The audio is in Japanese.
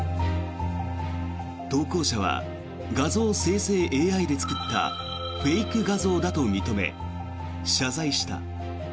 投稿者は画像生成ＡＩで作ったフェイク画像だと認め謝罪した。